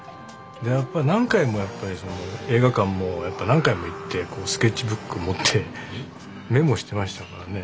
やっぱり何回も映画館も何回も行ってスケッチブック持ってメモしてましたからね。